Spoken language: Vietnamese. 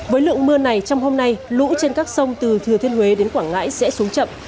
với lượng mưa này trong hôm nay lũ trên các sông từ thừa thiên huế đến quảng ngãi sẽ xuống chậm